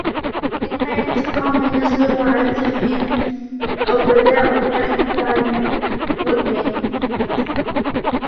إمَّا انْتِقَامٌ يَصْدُرُ عَنْ سَفَهٍ أَوْ بَذَاءٌ يَحْدُثُ عَنْ لُؤْمٍ